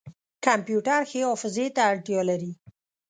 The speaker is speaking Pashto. کمپیوټر ښې حافظې ته اړتیا لري.